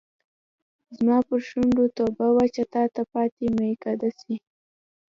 زما پر شونډو توبه وچه تاته پاته میکده سي